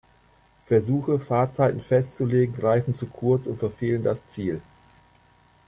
Versuche, Fahrzeiten festzulegen, greifen zu kurz und verfehlen das Ziel.